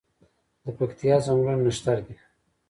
د پکتیا ځنګلونه نښتر دي